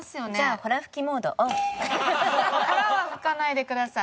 ホラは吹かないでください。